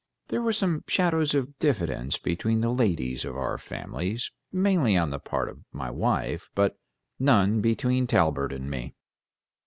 There were some shadows of diffidence between the ladies of our families, mainly on the part of my wife, but none between Talbert and me.